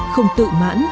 không tự mãn